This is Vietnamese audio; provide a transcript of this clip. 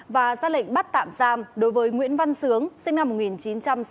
và ra lệnh bắt tạm giam đối với nguyễn văn sướng sinh năm một nghìn chín trăm sáu mươi